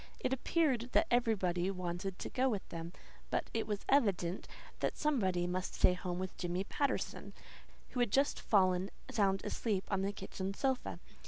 It appeared that everybody wanted to go with them; but it was evident that somebody must stay home with Jimmy Patterson, who had just fallen sound asleep on the kitchen sofa.